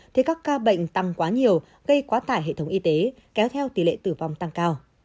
thì các ca bệnh tăng quá nhiều gây quá tải hệ thống y tế kéo theo tỷ lệ tử vong tăng cao